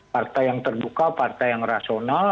partai yang terbuka partai yang rasional